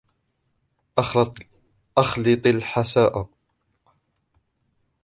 اخلط الحساء.